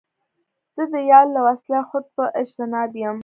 زه د یار له وصله خود په اجتناب یم